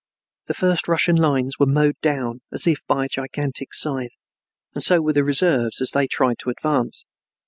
The first Russian lines were mowed down as if by a gigantic scythe, and so were the reserves as they tried to advance.